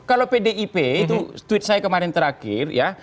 kalau pdip itu tweet saya kemarin terakhir ya